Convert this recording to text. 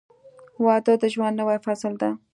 • واده د ژوند نوی فصل دی.